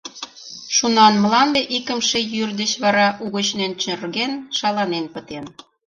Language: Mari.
Шунан мланде икымше йӱр деч вара угыч нӧнчырген, шаланен пытен.